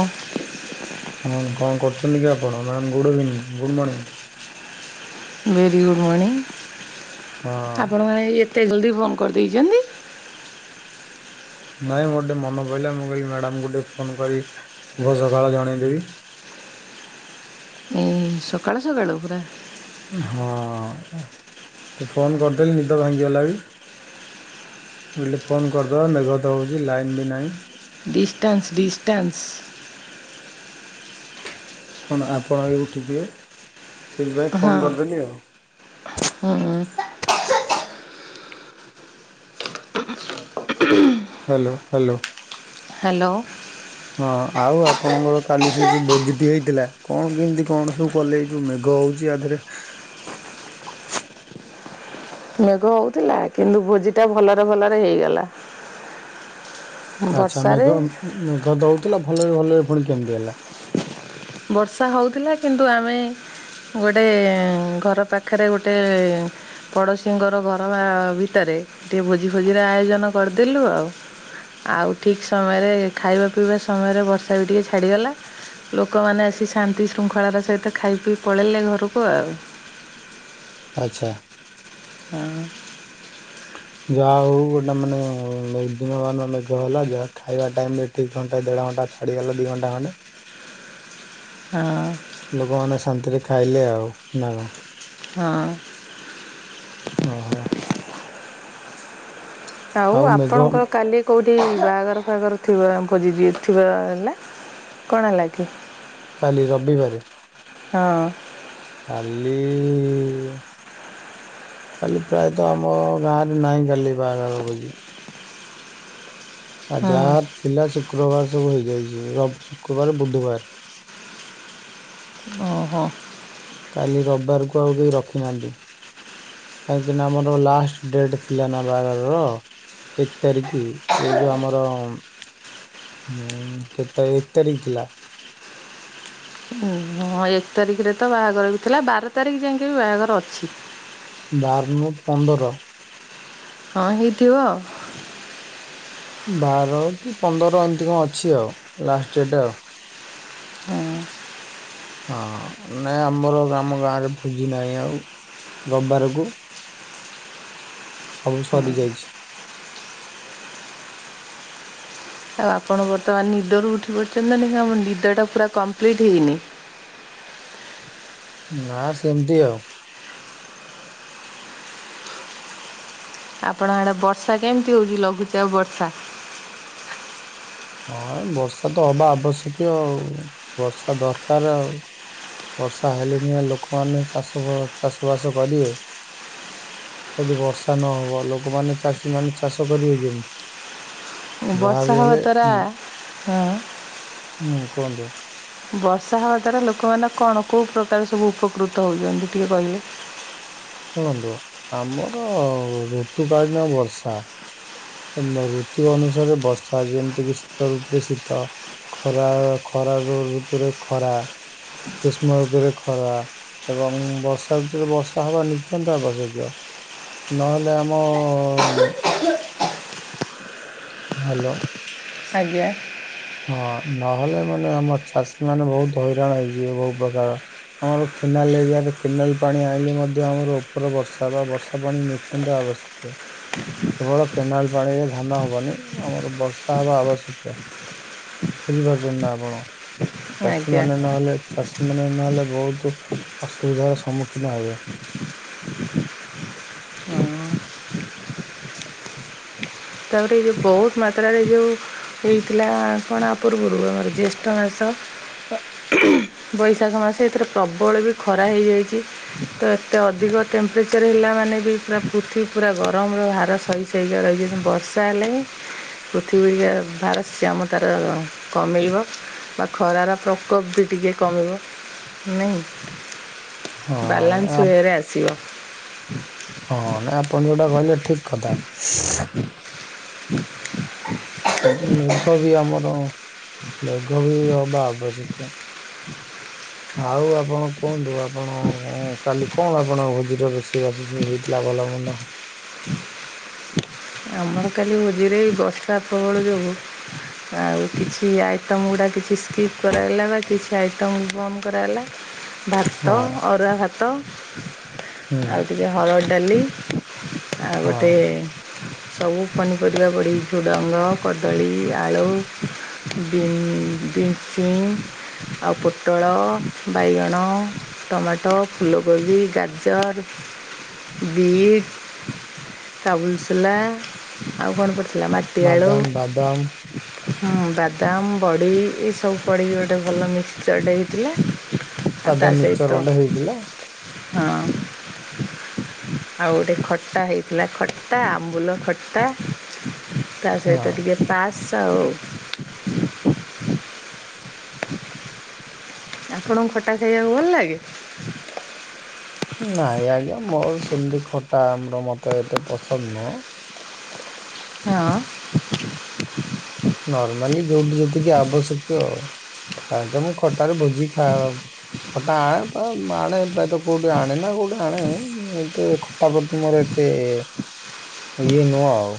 ଓହୋ ହଁ କଣ କରୁଛନ୍ତି କି ଆପଣ madam good evening good morning. Very good morning ହଁ ଆପଣମାନେ ଏତେ ଜଲ୍ଦି ଫୋନ୍ କରିଦେଇଛନ୍ତି। ନାଇଁ ମୋର ଟୋଟେ ମନେ ପଡ଼ିଲା ମୁଁ କହିଲି ମ୍ୟାଡ଼ାମକୁ ଗୋିକେ ଫୋନ କରି ଶୁଭ ସକାଳ ଜଣେଇଦେବି। ଏ ସକାଳ ସକାଳୁ ପୁରା ହଁ ତୁ ଫୋନ୍ କରିଦେଲି ନିଦ ଭାଙ୍ଗିଗଲା ବି। ଫୋନ୍ କରିଦେବା ମେଘଥା ହେଉଛି ଲାଇନ୍ ବି ନାହିଁ। Distance distance. ଆପଣା ଉଠିଥିବା ସେଇଥିପାଇଁ ହଁ ଫୋନ୍ କରିଦେଲି ଆଉ। ହୁଁ। Hello hello hello. ହଁ ଆଉ ଆପଣଙ୍କର କାଲି ସେ ଯୋଉ ଭୋଜିଟି ହେଇଥିଲା କଣ କେମିତି କଣ ସବୁ କଲେ ଏ ଯେଉଁ ମେଘ ହେଉଛି ଆଧରେ ମେଘ ହଉଥିଲା କିନ୍ତୁ ଭୋଜି ଟା ଭଲରେ ଭଲରେ ହେଇଗଲା। ଆଚ୍ଛା ବର୍ଷାରେ ମେଘ ମେଘ ହଉଥିଲା ଭଲରେ ଭଲରେ ପୁଣି କେମିତି ହେଲା? ବର୍ଷା ହେଉଥିଲା କିନ୍ତୁ ଆମେ ଗୋଟେ ଘର ପାଖରେ ଗୋଟେ ପଡୋଶୀଙ୍କର ଘର ଭିତରେ ଟିକେ ଭୋଜି ଭୋଜି ର ଆୟୋଜନ କରିଦେଲୁ ଆଉ ଆଉ ଠିକ୍ ସମୟରେ ଖାଇବା ପିଇବା ସମୟରେ ବର୍ଷା ବି ଟିକେ ଛାଡ଼ିଗଲା। ଲୋକମାନେ ଆସି ଶାନ୍ତି ଶୃଙ୍ଖଳାର ସହିତ ଖାଇ ପିଇ ପଳେଇଲେ ଘରକୁ ଆଉ। ଆଚ୍ଛା। ହଁ। ଯାହା ହଉ ଗୋଟେ ମାନେ ଦିନ ମାନ ମେଘ ହେଲା ଯାହା ଖାଇବା ଟାଇମ ରେ ଦି ଘଣ୍ଟା ଦେଢ଼ ଘଣ୍ଟା ଛାଡ଼ିଗଲା ଦି ଘଣ୍ଟା ଖଣ୍ଡେ। ହଁ। ଲୋକମାନେ ଶାନ୍ତିରେ ଖାଇଲେ ଆଉ ନା କଣ? ହଁ। ଓଁ ହୋ। ଆଉ ଆପଣଙ୍କର କାଲି କଉଁଠି ବାହାଘର ଫା ଘର ଥିବ ଭୋଜି ଥିବ ନା। କଣ ହେଲା କି? କାଲି ରବିବାରେ। ହଁ। କାଲି କାଲି ପ୍ରାୟତଃ ଆମ ଗାଁରେ ନାହିଁ କାଲି ବାହାଘର ଭୋଜି। ଆ ହୁଁ ଯାହା ଥିଲା ଶୁକ୍ରବାର ସବୁ ହେଇଯାଇଛି ର ଶୁକ୍ରବାର ବୁଧବାର। ଓହୋ। କାଲି ରବିବାରକୁ ଆଉ କେହି ରଖିନାହାନ୍ତି। କାହିଁକିନା ଆମର ଲାଷ୍ଟ ଡେଟ୍ ଥିଲା ନା ବାହାଘରର ଏକ ତାରିଖ ଏ ଯେଉଁ ଆମର ହୁଁ କେତେ ତାରିଖ ଏକ ତାରିଖ ଥିଲା। ହଁ ଏକ ତାରିଖରେ ତ ବାହାଘର ବି ଥିଲା ବାର ତାରିଖ ଯାଇକି ବି ବାହାଘର ଅଛି। ବାର ନୁହଁ ପନ୍ଦର। ହଁ ହେଇଥିବ ଆଉ। ବାର କି ପନ୍ଦର ଏମିତି କଣ ଅଛି ଆଉ ଲାଷ୍ଟ ଡେଟ୍ ଆଉ। ହଁ। ହଁ ନାଇଁ ଆମର ଆମ ଗାଁରେ ଭୋଜି ନାହିଁ ଆଉ ରବିବାରକୁ ସବୁ ସରି ଯାଇଛି। ଆଉ ଆପଣ ବର୍ତ୍ତମାନ ନିଦରୁ ଉଠି ପଡିଛନ୍ତି ନା ନାହିଁ ଆପଣ ନିଦଟା ପୁରା କମ୍ପ୍ଲିଟ୍ ହେଇନି। ନା ସେମିତି ଆଉ। ଆପଣ ଆଡେ ବର୍ଷା କେମିତି ହଉଛି ଲଘୁଚାପ ବର୍ଷା? ହଁ ବର୍ଷା ତ ହବା ଆବଶ୍ୟକୀୟ ଆଉ ବର୍ଷା ଦରକାର ଆଉ ବର୍ଷା ହେଲେ ସିନା ଲୋକମାନେ ଚାଷ ଚାଷବାସ କରିବେ। ଯଦି ବର୍ଷା ନହବ ଲୋକମାନେ ଚାଷୀମାନେ ଚାଷ କରିବେ କେମିତି? ବର୍ଷା ଯାହାବି ହେବା ହେଲେ ଦ୍ୱାରା ହ। ହୁଁ କୁହନ୍ତୁ। ବର୍ଷା ହେବା ଦ୍ୱାରା ଲୋକମାନେ କଣ କେଉଁ ପ୍ରକାର ସବୁ ଉପକୃତ ହେଉଛନ୍ତି ଟିକେ କହିଲେ? ଶୁଣନ୍ତୁ ଆମର ଋତୁକାଳୀନ ବର୍ଷା। ଋତୁ ଅନୁସାରେ ବର୍ଷା ଯେମିତି କିି ଶୀତ ଋତୁରେ ଶୀତ। ଖରା ଖରା ଋତୁରେ ଖରା ଗ୍ରୀଷ୍ମ ଋତୁରେ ଖରା। ଏବଂ ବର୍ଷା ଋତୁରେ ବର୍ଷା ହେବା ନିତ୍ୟାନ୍ତ ଆବଶ୍ୟକୀୟ। ନ ହେଲେ ଆମ ହାଲୋ। ଆଜ୍ଞା। ହଁ ନହେଲେ ମାନେ ଆମର ଚାଷୀ ମାନେ ବହୁତ୍ ହଇରାଣ ହେଇଯିବେ ବହୁ ପ୍ରକାର। ଆମର କେନାଲ ଏରିଆରେ କେନାଲ ପାଣି ଆଣିଲେ ମଧ୍ୟ ଆମର ଉପର ବର୍ଷା ବା ବର୍ଷା ପାଣି ନିତ୍ୟାନ୍ତ ଆବଶ୍ୟକ। କେବଳ କେନାଲ୍ ପାଣିରେ ଧାନ ହେବନି ଆମର ବର୍ଷା ହେବା ଆବଶ୍ୟକୀୟ। ବୁଝିପାରୁଛନ୍ତି ନା ଆପଣ ଆଜ୍ଞା ଚାଷୀମାନେ ନ ହେଲେ ଚାଷୀମାନେ ନହେଲେ ବହୁତ୍ ଅସୁବିଧାର ସମ୍ମୁଖୀନ ହେବେ। ତାପରେ ଏଇ ଯେଉଁ ବହୁତ ମାତ୍ରାରେ ଯୋଉ ହେଇଥିଲା କଣ ଆ ପୂର୍ବରୁ ଆମର ଜ୍ୟେଷ୍ଠ ମାସ ତ [unintelligible] ବୈଶାଖ ମାସ ଏଥିରେ ପ୍ରବଳ ବି ଖରା ହେଇଯାଇଛି। ତ ଏତେ ଅଧିକ ଟେମ୍ପରେଚର ହେଲା ମାନେ ବି ପୁରା ପୃଥିଵୀ ପୁରା ଗରମର ଭାର ସହି ତେଲିଆ ରହିଯିବ କିନ୍ତୁ ବର୍ଷା ହେଲେ ପୃଥିବୀ ଟିକେ ଭାରସ୍ୟାମ ତାର କମିଯିବ। ବା ଖରାର ପ୍ରକୋପ ବି ଟିକେ କମିବ ନାହିଁ। ହଁ ବାଲାନ୍ସ ଆପ୍ ୱେ ରେ ଆସିବ। ହଁ ନାଇଁ ଆପଣ ଯୋଉଟା କହିଲେ ଠିକ୍ କଥା। ଏଠି ମେଘ ବି ଆମର ମେଘ ବି ହବା ଆବଶ୍ୟକିୟ। ଆଉ ଆପଣ କୁହନ୍ତୁ ଆପଣ କାଲି କଣ ଆପଣ ଭୋଜିର ରୋଷେଇବାସ ସବୁ ହେଇଥିଲା ଭଲ ମନ୍ଦ। ଆମର କାଲି ଭୋଜିରେ ଏଇ ବର୍ଷା ପ୍ରବଳ ଯୋଗୁ [inaudible] ଆଉ କିଛି ଆଇଟମ ଗୁଡ଼ା କିଛି ସ୍କିପ୍ କରାଗଲା ବା କିଛି ଆଇଟମ୍ ବନ୍ଦ କରାଗଲା ହଁ ଭାତ, ଅରୁଆ ଭାତ, ହୁଁ ଆଉ ଟିକେ ହରଡ ଡାଲି। ଆଉ ହଁ ଗୋଟେ ସବୁ ପନିପରିବା ପଡିକି ଝୁଡଙ୍ଗ, କଦଳୀ, ଆଳୁ ଯୋଉ ବିନ ବିନ୍ ଛୁଁ ଆଉ ପୋଟଳ, ବାଇଗଣ ଟମାଟୋ, ଫୁଲକୋବି, ଗାଜର, ବିଟ୍। କାବୁଲଶୋଲା ଆଉ କଣ ପଡ଼ିଥିଲା ମାଟିଆଳୁ ବାଦାମ [inaudible] ହଁ, ବାଦାମ, ବଡ଼ି ଏଇସବୁ ପଡ଼ିକି ଗୋଟେ ଭଲ ମିକ୍ସଚର୍ ଟେ ହେଇଥିଲା। ଆଉ ସାଧା ମିକ୍ସଚର ତାସହିତ ଗୋଟେ ହେଇଥିଲା ହଁ। ଆଉ ଗୋଟେ ଖଟା ହେଇଥିଲା, ଖଟା ଆମ୍ବୁଲ ଖ ଖଟା ତା ସହିତ ହଁ। ଟିକେ ପାସ୍ ଆଉ ଆପଣଙ୍କୁ ଖଟା ଖାଇବାକୁ ଭଲ ଲାଗେ? ନାଇଁ ଆଜ୍ଞା ମୋର ସେମିତି ଖଟା ଆମ୍ବୁଲୁ ମତେ ଏତେ ପସନ୍ଦ ନୁହଁ। ହଁ। ନର୍ମାଲି ଯୋଉଠି ଯେତିକି ଆବଶ୍ୟକୟ ନାହିଁତ ମୁଁ ଖଟାରେ ଭୋଜିି ଖା ଖଟା ଆଣେ ପ୍ରାୟତଃ ଆଣେ ନା କୋଉଠି ଆଣେ। ଖଟା ପ୍ରତି ମୋର ଏତେ ଇଏ ନୁହଁ ଆଉ।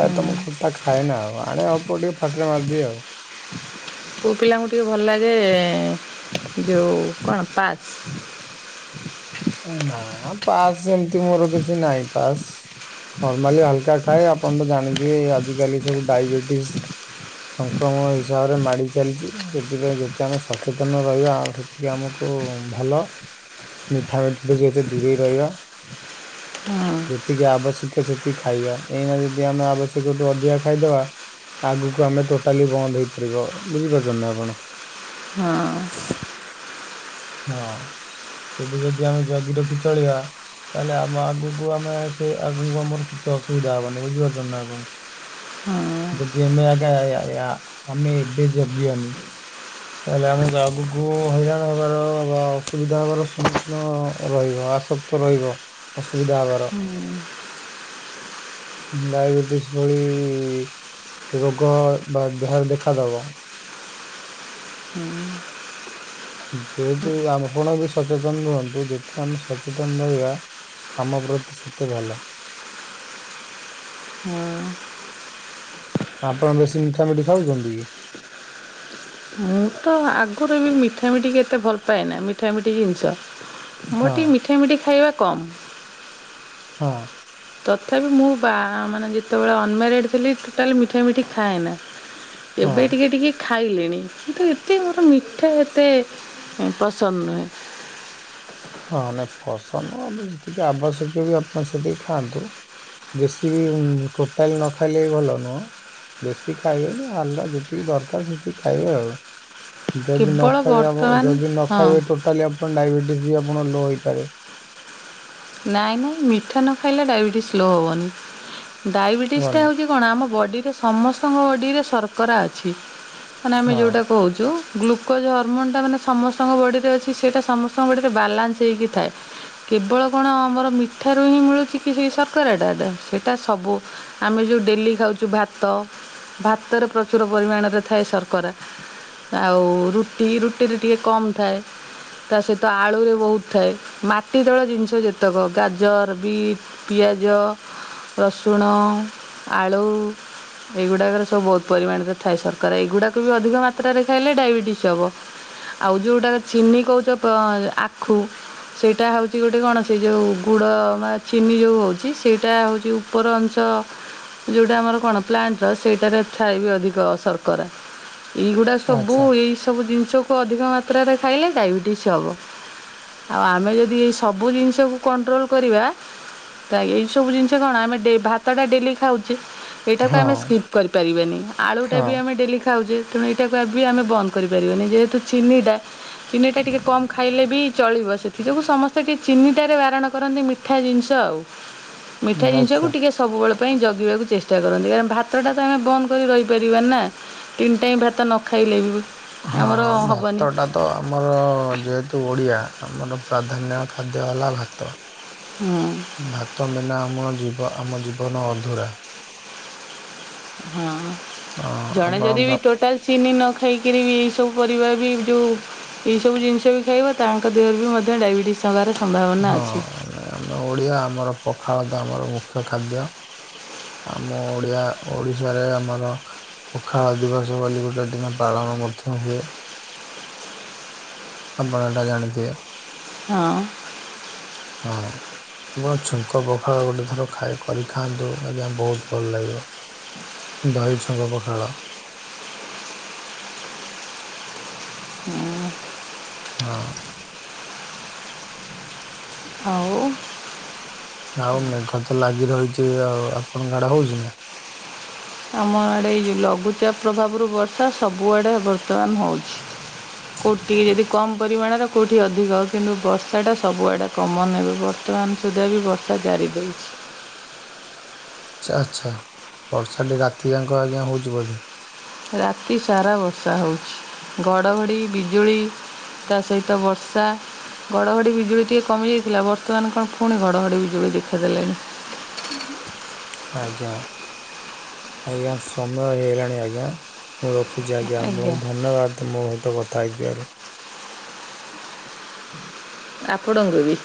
ପ୍ରାୟତଃ ମୁଁ ଖଟା ଖାଏନା ଆଣେ ଅଳ୍ପ ଟିକେ ପାଟିରେ ମାରିଦିଏ ଆଉ। ପୁଅ ପିଲାଙ୍କୁ ଟିକେ ଭଲ ଲାଗେ ଯୋଉ କଣ ପାସ୍। ନା ପାସ୍ ଏମିତି ମୋର କିଛି ନାହିଁ ପାସ୍। ନର୍ମାଲି ହାଲକା ଖାଏ ଆପଣ ତ ଜାଣିଥିବେ ଆଜିକାଲି ସବୁ ଡାଇବେଟିସ୍। ସଂକ୍ରମଣ ହିସାବରେ ମାଡ଼ି ଚାଲିଛି ସେଥିପାଇଁ ଯେତେ ଆମେ ସଚେତନ ରହିବା ହେତି ବି ଆମକୁ ଭଲ। ମିଠାମିଠି ଠୁ ଯେତେ ଦୂରେଇ ରହିବା। ହଁ ଯେତିକି ଆବଶ୍ୟକ ସେତ କି ଖାଇବା। ଏଇନା ଯଦି ଆମେ ଆବଶ୍ୟକଠୁ ଅଧିକା ଖାଇଦବା ଆଗକୁ ଆମେ ଟୋଟାଲି ବନ୍ଦ ହେଇପାରିବ ବୁଝିପାରୁଛନ୍ତି ନା ଆପଣ? ହଁ। ହଁ ଏବେ ଯଦି ଆମେ ଜଗିରଖି ଚଳିବା। ତାହେଲେ ଆମେ ଆଗକୁ ଆମେ ସେ ଆଗକୁ ଆମର କିଛି ଅସୁବିଧା ହବନି ବୁଝିପାରୁଛ ନା ଆପଣ। ହଁ ଯଦି ଏମେ ଆଜ୍ଞା ଏ ଆ ଏ ଆ ଆମେ ଏବେ ଜଗିବାନି। ତାହେଲେ ଆମକୁ ଆଗକୁ ହଇରାଣ ହେବାର ବା ଅସୁବିଧା ହେବାର ସମ୍ମୁଖୀନ ରହିବ। ଆସ ତ ରହିବ ଅସୁବିଧା ହେବାର। ଡାଇବେଟିସ୍ ଭଳି ରୋଗ ବା ଦେହରେ ଦେଖାଦେବ। ହୁଁ। ଯେହେତୁ ଆମପଣ ବି ସଚେତନ ରୁହନ୍ତୁ ଯେତେ ଆମେ ସଚେତନ ରହିବା ଆମ ପ୍ରତି ସେତେ ଭଲ। ହୁଁ। ଆପଣ ବେଶୀ ମିଠା ମିଠି ଖାଉଛନ୍ତି କି? ମୁଁ ତ ଆଗରୁ ଏମି ମିଠା ମିଠି କି ଏତେ ଭଲ ପାଏନା। ମିଠା ମିଠି ଜିନିଷ ମୋର ହଁ ଟିକେ ମିଠା ମିଠି ଖାଇବା କମ୍। ହଁ। ତଥାପି ମୁଁ ବା ମାନେ ଯେତେବେଳେ ଅନମାରେଡ଼ ଥିଲି ଟୋଟାଲ୍ ମିଠା ମିଠି ଖାଏନା। ହଁ ଏବେ ଟିକେ ଟିକେ ଖାଇଲିଣି କିନ୍ତୁ ଏତେ ମୋର ମିଠା ଏତେ ପସନ୍ଦ ନୁହେଁ। ହଁ ନାଇଁ ପସନ୍ଦ ନୁହଁ ଯେତିକି ଆବଶ୍ୟକୀୟ ବି ଆପଣ ସେତିକି ଖାଆନ୍ତୁ। ବେଶୀ ବି ଟୋଟାଲ ନ ଖାଇଲେ ବି ଭଲ ନୁହଁ। ବେଶୀ ଖାଇବେ ନି ଆଣ୍ଡା ଯେତିକି ଦରକାର ସେତିକି ଖାଇବେ ଆଉ। ଯଦି ନ କେବଳ ଖାଇବେ ଆପ ବର୍ତ୍ତମାନ ଯଦି ନ ହଁ ଖାଇବେ ଟୋଟାଲି ଆପଣ ଡାଇବେଟିସ୍ ବି ଆପଣ ଲୋ ହେଇପାରେ। ନାଇଁ ନାଇଁ ମିଠା ନ ଖାଇଲେ ଡାଇବେଟିସ୍ ଲୋ ହବନି। ଡାଇବେଟିସଟା ହବନି ହେଉଛି କଣ ଆମ ବଡ଼ିରେ ସମସ୍ତଙ୍କ ବଡ଼ିରେ ଶର୍କରା ଅଛି। ମାନେ ଆମେ ହଁ ଯେଉଁଟା କହୁଛୁ ଗ୍ଲୁକୋଜ୍ ହର୍ମୋନ୍ଟା ମାନେ ସମସ୍ତଙ୍କ ବଡ଼ିରେ ଅଛି। ସେଇଟା ସମସ୍ତଙ୍କ ବଡ଼ିରେ ବାଲାନ୍ସ ହୋଇକି ଥାଏ। କେବଳ କଣ ଆମର ମିଠାରୁ ହିଁ ମିଳୁଛି କି ସେଇ ସର୍କରାଟା ସେଟା ସବୁ ଆମେ ଯେଉଁ ଡେଲି ଖାଉଛୁ ଭାତ ଭାତରେ ପ୍ରଚୁର ପରିମାଣରେ ଥାଏ ଶର୍କରା। ଆଉ ରୁଟି ରୁଟିରେ ଟିକେ କମ ଥାଏ। ତା ସହିତ ଆଳୁରେ ବହୁତ ଥାଏ। ମାଟି ତଳ ଜିନିଷ ସ ଯେତେକ ଗାଜର, ବିଟ୍, ପିଆଜ ରସୁଣ, ଆଳୁ ଏଇଗୁଡ଼ାକରେ ସବୁ ବହୁତ ପରିମାଣରେ ଥାଏ ସର୍କରା। ଏଇଗୁଡ଼ାକୁ ବି ଅଧିକ ମାତ୍ରାରେ ଖାଇଲେ ଡାଇବେଟିସ୍ ହେବ। ଆଉ ଯୋଉଟା ଚିନି କହୁଛ ପ୍ର ଆଖୁ ସେଇଟା ହଉଛି ଗୋଟେ କଣ ସେ ଯେଉଁ ଗୁଡ଼ ବା ଚିନି ଯେଉଁ ହେଉଛି। ସେଇଟା ହେଉଛି ଉପର ଅଂଶ ଯେଉଁଟା ଆମର କଣ ପ୍ଲାଣ୍ଟର ସେଇଟାରେ ଥାଏ ବି ଅଧିକ ସର୍କରା। ଏଇଗୁଡା ସବୁ ଆଚ୍ଛା ଏଇ ସବୁ ଜିନିଷ ତ ଅଧିକ ମାତ୍ରାରେ ଖାଇଲେ ଡାଇବେଟିସ୍ ହବ। ସବୁ କଣ୍ଟ୍ରୋଲ୍ କରିବା [unintelligible] ଏଇ ସବୁ ଜିନିଷ କଣ ଆମେ ଭାତ ଟା ଡେଲି ଖାଉଛେ। ଏଇଟାକୁ ହଁ ଆମେ ସ୍କିପ୍ କରିପାରିବାନି। ଆଳୁଟା ବି ହଁ ଆମେ ଡେଲି ଖାଉଛେ ତେଣୁ ଏଇଟାକୁ ଏବେ ଆମେ ବନ୍ଦ କରିପାରିବାନି ଯେହେତୁ ଚିନିଟା ଚିନି ଟା ଟିକେ କମ ଖାଇଲେ ବି ଚଳିବ, ସେଥି ଯୋଗୁଁ ସମସ୍ତେ କି ଚିନି ଟା ବାରଣ କରନ୍ତି ମିଠା ଯିନିଷ ଆଉ ମିଠା ଜିନିଷକୁ ଆଚ୍ଛା। ଟିକେ ସବୁବେଳେ ପାଇଁ ଜଗିବାକୁ ଚେଷ୍ଟା କରନ୍ତି, କାରଣ ଭାତଟା ତ ଆମେ ବନ୍ଦ କରି ରହିପାରିବା ନିନା। ତିନି ଟାଇମ୍ ଭାତ ନ ଖାଇଲେ ବି ଆମର ହଁ ହବନି। ଭାତଟା ତ ଆମର ଯେହେତୁ ଓଡ଼ିଆ ଆମର ପ୍ରାଧାନ୍ୟ ଖାଦ୍ୟ ହେଲା ଭାତ। ହୁଁ। ଭାତ ମିନା ଆମ ଜିବ ଆମ ଜୀବନ ଅଧୁରା। ହଁ ହଁ ଜଣେ ଆପଣ ଯଦି ବି ଭା ଟୋଟାଲ ଚିନି ନ ଖାଇକିରି ବି ସବୁ ପରିବା ବି ଯୋଉ ଏଇସବୁ ଜିନିଷ ବି ଖାଇବ ତାଙ୍କ ଦେହରେ ବି ମଧ୍ୟ ଡାଇବେଟିସ୍ ହେବାର ସମ୍ଭାବନା ହଁ ଅଛି। ଆମେ ଓଡ଼ିଆ ଆମର ପଖାଳ ତ ଆମର ମୁଖ୍ୟ ଖାଦ୍ୟ। ଆମ ଓଡ଼ିଆ ଓଡ଼ିଶାରେ ଆମର ପଖାଳ ଦିବସ ବୋଲି ଗୋଟେ ଦିନ ପାଳନ ମଧ୍ୟ ହୁଏ। ଆପଣଏଟା ଜାଣିଥିବେ। ହଁ। ହଁ। ଛୁଙ୍କ ପଖାଳ ଗୋଟେ ଥର ଖାଏ କରି ଖାଆନ୍ତୁ ଆଜ୍ଞା ବହୁତ ଭଲ ଲାଗିବ। ଦହି ଛୁଙ୍କ ପଖାଳ। ହଁ। ଆଉ ଆଉ ମେଘ ତ ଲାଗି ରହିଛି ଆଉ ଆପଣଙ୍କ ଆଡେ ହଉଛି ନା? ଆମ ଆଡ଼େ ଏଇ ଲଘୁଚାପ ପ୍ରଭାବରୁ ବର୍ଷା ସବୁଆଡ଼େ ବର୍ତ୍ତମାନ ହଉଛି। କୋଉଠି ଟିକେ ଯଦି କମ ପରିମାଣରେ କୋଉଠି ଅଧିକ କିନ୍ତୁ ବର୍ଷା ଟା ସବୁଆଡେ କମ ନେବେ ବର୍ତ୍ତମାନ ସୁଦ୍ଧା ବି ବର୍ଷା ଜାରି ରହିଛି। ଆଛା ଆଚ୍ଛା ବର୍ଷାଠେ ରାତି ଯା କଁ ଆଜ୍ଞା ହେଉଛି ବୋଧେ? ରାତି ସାରା ବର୍ଷା ହଉଛି ଘଡ଼ଘଡ଼ି ବିଜୁଳି ତା ସହିତ ବର୍ଷା। ଘଡଘଡି ବିଜୁଳି ଟିକେ କମିଯାଇଥିଲା ବର୍ତ୍ତମାନ କଣ ପୁଣି ଘଡଘଡି ବିଜୁଳି ଦେଖାଦେଲାଣି। ଆଜ୍ଞା ଆଜ୍ଞା ସମୟ ହେଇଗଲାଣି ଆଜ୍ଞା। ମୁଁ ରଖୁଛି ଆଜ୍ଞା ଆପଣଙ୍କୁ ଧନ୍ୟବାଦ ମୋ ସହିତ କଥା ହେଇଥିବାରୁ। ଆପଣ ଙ୍କୁ ବି।